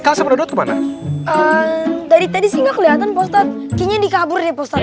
kau sama dodot kemana dari tadi sih gak kelihatan postadinya dikabur di posasi